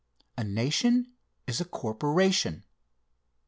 A nation is a corporation.